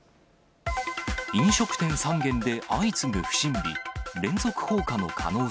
飲食店３軒で相次ぐ不審火。